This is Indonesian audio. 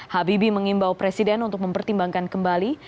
habibi mengimbau presiden untuk mempertimbangkan kembali